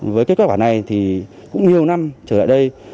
với cái kết quả này thì cũng nhiều năm trở lại đây